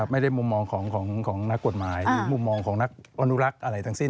มุมมองของนักกฎหมายหรือมุมมองของนักอนุรักษ์อะไรทั้งสิ้น